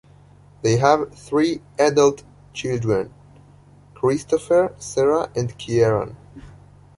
They have three adult children - Kristopher, Sara, and Kieran.